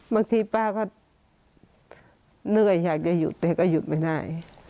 บางทีป้าก็เหนื่อยอยากจะหยุดแต่ก็หยุดไม่ได้